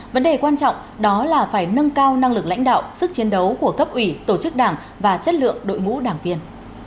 vấn đề quan trọng đó là phải nâng cao năng lực lãnh đạo sức chiến đấu của cấp ủy tổ chức đảng và chất lượng đội ngũ đảng viên